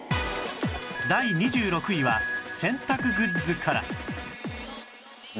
第２６位は洗濯グッズから